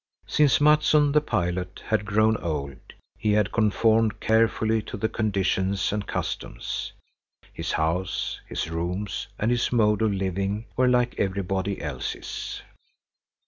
Since Mattsson, the pilot, had grown old, he had conformed carefully to the conditions and customs; his house, his rooms and his mode of living were like everybody else's.